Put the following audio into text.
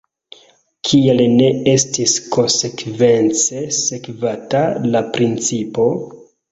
Kial ne estis konsekvence sekvata la principo?